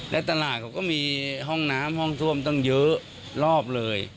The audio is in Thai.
และตลาดเขาก็มีห้องน้ำห้องท่วมตั้งเยอะรอบเลย